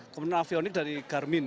kemudian avionik dari garmin